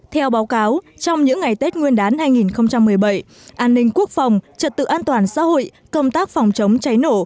theo báo cáo trong những ngày tết nguyên đán hai nghìn một mươi bảy an ninh quốc phòng trật tự an toàn xã hội công tác phòng chống cháy nổ